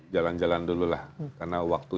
jalan jalan dulu lah karena waktu